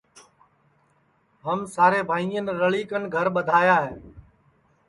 ہم سارے بھائی رَݪی کن گھرا ٻدھاواں